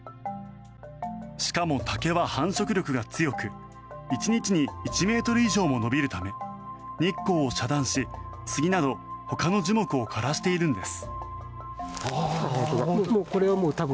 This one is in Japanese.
しかも竹は繁殖力が強く１日に１ｍ以上も伸びるため日光を遮断し杉などほかの樹木を枯らしているんです。